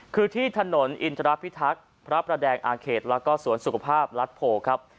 คือที่ถนนอินทรพิทักษ์พระประแดงอาเขตแล้วก็สวนสุขภาพรัฐโพครับ